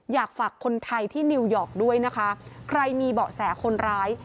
อยากฝากคนไทยที่นิวยอร์กด้วยนะคะใครมีเบาะแสคนร้าย